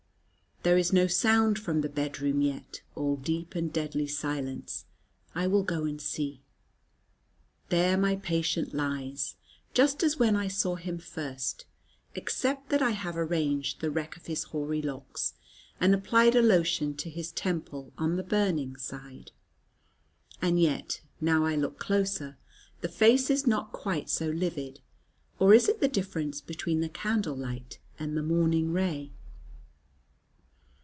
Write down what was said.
There is no sound from the bed room yet: all deep and deadly silence. I will go and see. There my patient lies, just as when I saw him first, except that I have arranged the wreck of his hoary locks, and applied a lotion to his temple on the burning side. And yet, now I look closer, the face is not quite so livid; or is it the difference between the candle light and the morning ray?